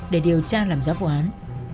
để điều tra làm giáp vụ án